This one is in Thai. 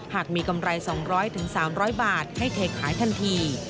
หากมีกำไร๒๐๐๓๐๐บาทให้เทขายทันที